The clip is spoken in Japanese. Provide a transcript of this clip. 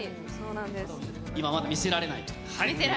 今、まだ見せられないと。